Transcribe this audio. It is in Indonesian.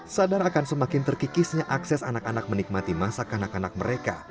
sadar akan semakin terkikisnya akses anak anak menikmati masak anak anak mereka